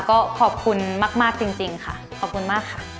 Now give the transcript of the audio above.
ก็ขอบคุณมากจริงค่ะขอบคุณมากค่ะ